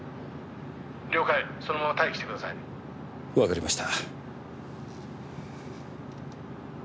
「了解そのまま待機してください」わかりました。